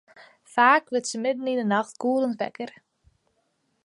Faak wurdt se midden yn 'e nacht gûlend wekker.